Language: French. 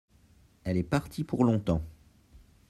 elle est partie pour longtemps.